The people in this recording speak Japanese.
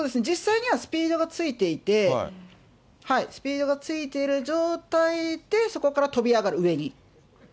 実際にはスピードがついていて、スピードがついている状態で、そこから跳び上がる、上に。